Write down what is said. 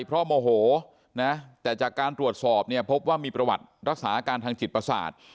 เพราะโมโหนะแต่จากการตรวจสอบเนี่ยพบว่ามีประวัติรักษาอาการทางจิตประสาท